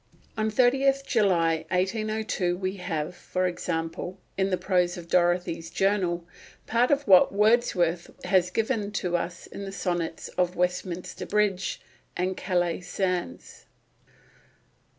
On 30th July 1802 we have, for example, in the prose of Dorothy's journal, part of what Wordsworth has given to us in the sonnets on Westminster Bridge and Calais sands.